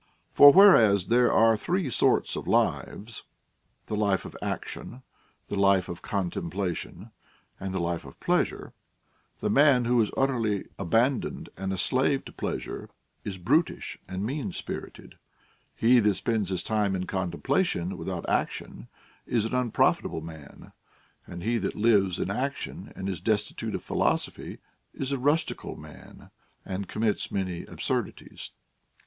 For, whereas there are three sorts of lives, — the life of action, the life of contem plation, and the life of pleasure, — the man who is utterly abandoned and a slave to pleasure is brutish and mean spirited ; he that spends his time in contemplation without action is an unprofitable man ; and he that lives in action and is destitute of philosophy is a rustical man, and commits many absurdities.